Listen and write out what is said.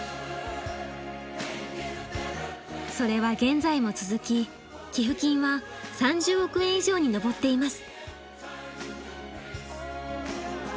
それは現在も続き寄付金は３０億円以上に上っています。